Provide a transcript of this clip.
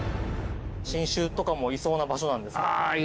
新種とかもいそうな場所なんですか？